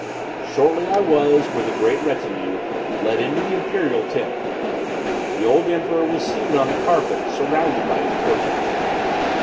Shortly I was, with a great retinue, led into the imperial tent. The old emperor was seated on a carpet surrounded by his courtiers.